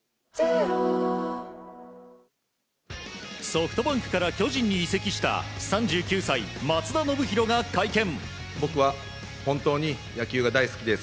ソフトバンクから巨人に移籍した３９歳、松田宣浩が会見。